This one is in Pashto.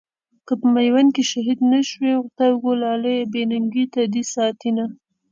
که په ميوند کې شهيد نه شوې، خدایږو لاليه بې ننګۍ ته دې ساتينه